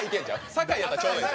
坂井やったらちょうどええ。